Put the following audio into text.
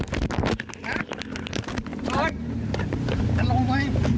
จะลงไหม